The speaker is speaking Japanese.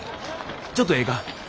ちょっとええか。